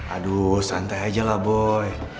aduh santai aja lah boy